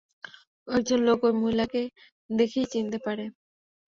কয়েকজন লোক ঐ মহিলাকে দেখেই চিনতে পারে।